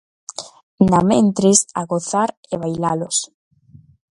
Namentres, a gozar e bailalos.